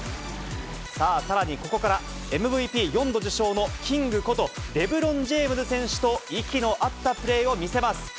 さあ、さらにここから、ＭＶＰ４度受賞のキングことレブロン・ジェームズ選手と息の合ったプレーを見せます。